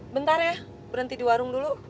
bentar ya berhenti di warung dulu